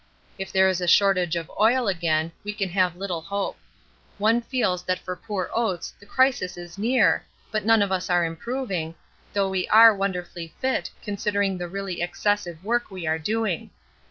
If there is a shortage of oil again we can have little hope. One feels that for poor Oates the crisis is near, but none of us are improving, though we are wonderfully fit considering the really excessive work we are doing.